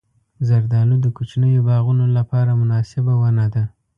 زردالو د کوچنیو باغونو لپاره مناسبه ونه ده.